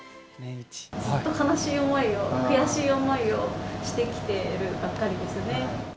ずっと悲しい想いを、悔しい想いをしてきているばっかりですね。